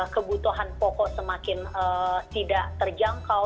kebutuhan pokok semakin tidak terjangkau